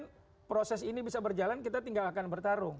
kalau proses ini bisa berjalan kita tinggalkan bertarung